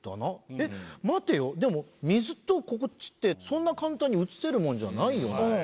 えっ待てよでも水とこっちってそんな簡単に映せるもんじゃないよなと。